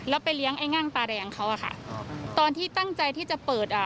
แล้วไปเลี้ยงไอ้ง่างตาแดงเขาอ่ะค่ะตอนที่ตั้งใจที่จะเปิดอ่า